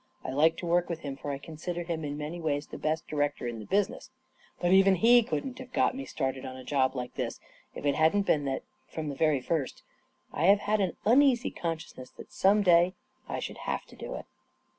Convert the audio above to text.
I like to work with him, for I consider him in many ways the best director in the business; but even he couldn't have got me started on a job like this if it hadn't been that, from the very first, I have had an uneasy consciousness that some day I should have to do it.